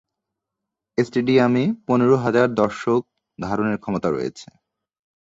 স্টেডিয়ামে পনের হাজার দর্শক ধারণের ক্ষমতা রয়েছে।